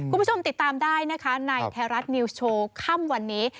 คุณผู้ชมติดตามได้นะคะในไทยรัฐนิวส์โชว์ค่ำวันนี้